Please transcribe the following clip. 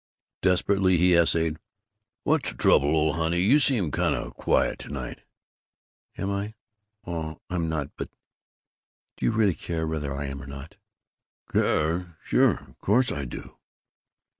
Desperately he essayed, "What's the trouble, old honey? You seem kind of quiet to night." "Am I? Oh, I'm not. But do you really care whether I am or not?" "Care? Sure! Course I do!"